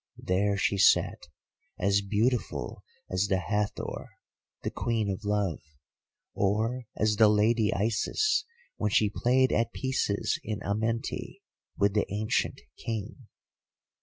There she sat as beautiful as the Hathor, the Queen of Love; or as the Lady Isis when she played at pieces in Amenti with the ancient King.